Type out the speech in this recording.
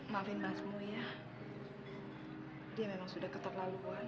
maafin mbak semua ya dia memang sudah keterlaluan